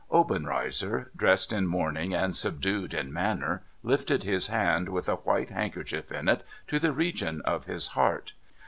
Obenreizer — dressed in mourning, and subdued in manner — lifted his hand, with a white handkerchief in it, to the region of his heart.